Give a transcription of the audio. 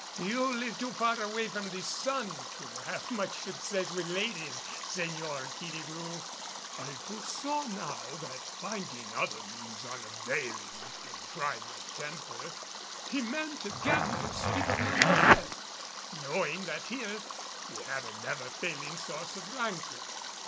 You live too far away from the sun to have much success with ladies, Señor Killigrew." I foresaw now that finding other means unavailing to try my temper, he meant again to speak of Mademoiselle, knowing that here he had a never failing source of rancor.